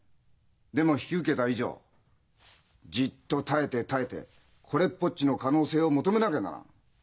でも引き受けた以上じっと耐えて耐えてこれっぽっちの可能性を求めなきゃならん。